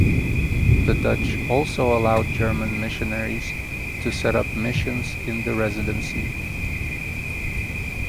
The Dutch also allowed German missionaries to set up missions in the Residency.